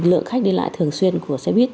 lượng khách đi lại thường xuyên của xe buýt